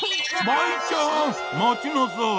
舞ちゃんまちなさい。